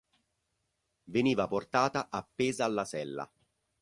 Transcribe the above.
Veniva portata appesa alla sella.